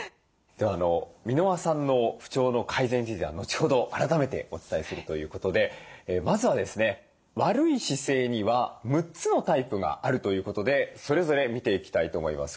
では箕輪さんの不調の改善については後ほど改めてお伝えするということでまずはですね悪い姿勢には６つのタイプがあるということでそれぞれ見ていきたいと思います。